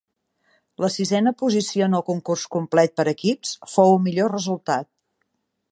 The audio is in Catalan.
La sisena posició en el concurs complet per equips fou el millor resultat.